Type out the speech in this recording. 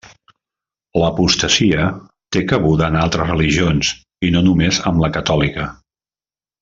L'apostasia té cabuda en altres religions, i no només en la catòlica.